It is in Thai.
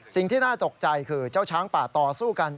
สิ่งที่น่าตกใจคือเจ้าช้างป่าต่อสู้กัน